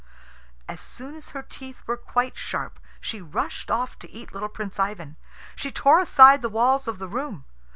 As soon as her teeth were quite sharp she rushed off to eat little Prince Ivan. She tore aside the walls of the room.